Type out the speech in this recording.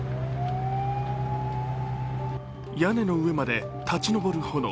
屋根の上まで立ち上る炎。